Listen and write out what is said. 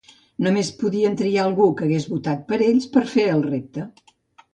Només podien triar algú que hagués votat per ells per fer el repte.